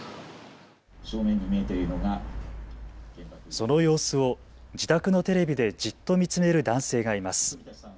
その様子を自宅のテレビでじっと見つめる男性がいます。